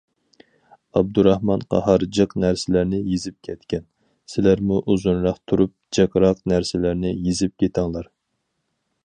ئابدۇراخمان قاھار جىق نەرسىلەرنى يېزىپ كەتكەن، سىلەرمۇ ئۇزۇنراق تۇرۇپ، جىقراق نەرسىلەرنى يېزىپ كېتىڭلار.